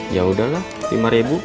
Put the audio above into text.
ya udahlah lima ribu